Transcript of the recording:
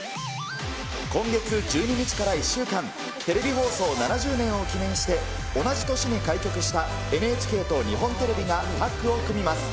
今月１２日から１週間、テレビ放送７０年を記念して、同じ年に開局したＮＨＫと日本テレビがタッグを組みます。